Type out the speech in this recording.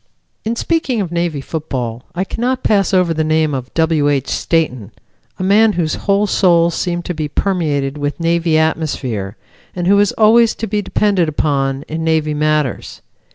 In speaking of Navy football I cannot pass over the name of W. H. Stayton, a man whose whole soul seemed to be permeated with Navy atmosphere, and who is always to be depended upon in Navy matters.